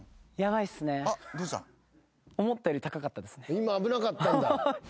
今危なかったんだ。